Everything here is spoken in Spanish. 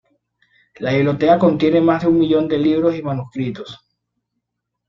La biblioteca contiene más de un millón de libros y manuscritos.